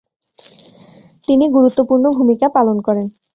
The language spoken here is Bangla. তিনি গুরুত্বপূর্ণ ভুমিকা পালন করেন।